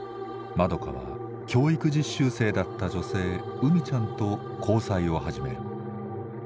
まどかは教育実習生だった女性うみちゃんと交際を始める。